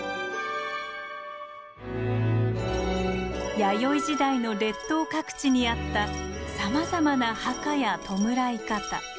弥生時代の列島各地にあったさまざまな墓や弔い方。